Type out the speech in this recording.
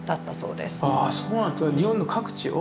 日本の各地を？